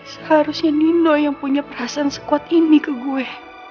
seharusnya nino yang punya perasaan sekuat ini ke gue